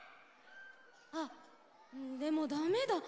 あっでもだめだ。